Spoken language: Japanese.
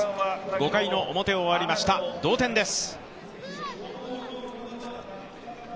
５回表終わりました、同点です。